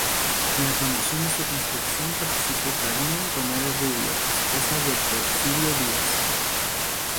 En la promoción de su construcción participó Carmen Romero Rubio, esposa de Porfirio Díaz.